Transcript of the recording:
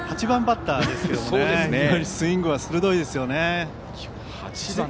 ８番バッターですけどもスイングは鋭いですよね。